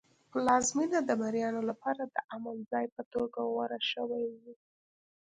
پلازمېنه د مریانو لپاره د امن ځای په توګه غوره شوی و.